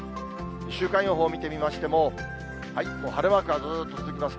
週間予報を見てみましても、晴れマークがずっと続きます。